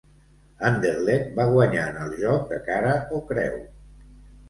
Anderlecht va guanyar en el joc de cara o creu.